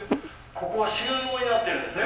ここは収納になってるんですね。